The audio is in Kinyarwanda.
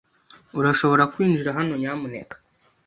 Urashobora kwinjira hano, nyamuneka.